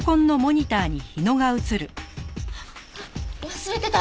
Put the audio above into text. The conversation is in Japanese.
忘れてた！